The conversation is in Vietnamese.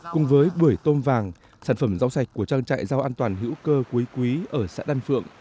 cùng với bưởi tôm vàng sản phẩm rau sạch của trang trại rau an toàn hữu cơ quý quý ở xã đan phượng